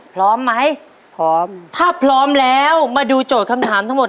พร้อมไหมพร้อมถ้าพร้อมแล้วมาดูโจทย์คำถามทั้งหมด